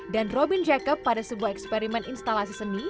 dan juga dengan alunan nada indah lewat dentuman alat musik yang takut